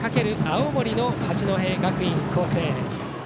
青森の八戸学院光星。